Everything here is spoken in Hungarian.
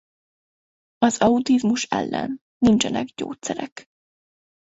Az autizmus ellen nincsenek gyógyszerek.